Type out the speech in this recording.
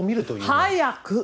早く！